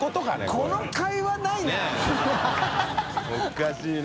おかしいな。